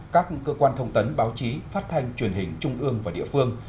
các cơ quan thông tấn báo chí phát thanh truyền hình trung ương và địa phương